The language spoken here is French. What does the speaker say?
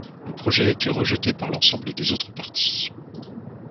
Le projet a été rejeté par l'ensemble des autres partis.